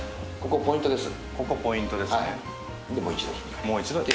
ここがポイントです。